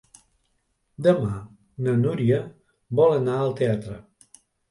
Demà na Núria vol anar al teatre.